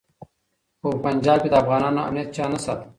خو په پنجاب کي د افغانانو امنیت چا نه ساته.